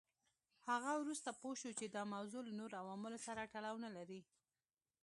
هغه وروسته پوه شو چې دا موضوع له نورو عواملو سره تړاو نه لري.